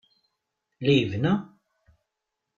La lbenna?